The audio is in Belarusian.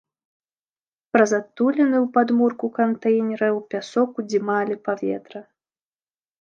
Праз адтуліны ў падмурку кантэйнера ў пясок удзімалі паветра.